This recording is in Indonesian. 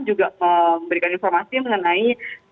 juga memberikan informasi mengenai